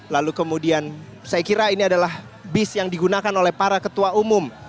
lalu kemudian saya kira ini adalah bis yang digunakan oleh para ketua umum